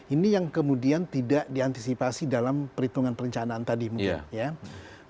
ini yang kemudian tidak diantisipasi dalam perhitungan perencanaan tadi mungkin ya